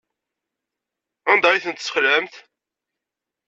Anda ay tent-tesxelɛem?